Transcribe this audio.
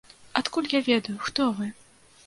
Адкуль я ведаю, хто вы?